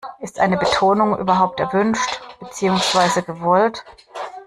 Ist eine Betonung überhaupt erwünscht, beziehungsweise gewollt?